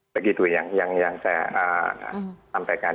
begitu yang saya sampaikan